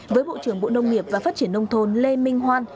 với bộ trưởng bộ nông nghiệp và phát triển nông thôn lê minh hoan